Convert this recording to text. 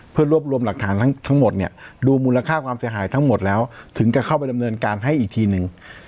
เพื่อรวบรวมหลักฐานทั้งหมดเนี่ยดูมูลค่าความเสียหายทั้งหมดแล้วถึงจะเข้าไปดำเนินการให้อีกทีนึง